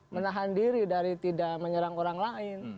menahan diri dari tidak menyerang orang lain